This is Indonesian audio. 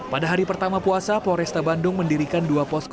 pada hari pertama puasa polresta bandung mendirikan dua posko